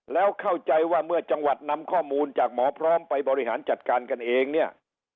แล้วเข้าใจว่าเมื่อจังหวัดนำข้อมูลจากหมอพร้อมไปบริหารจัดการกันเองเนี่ย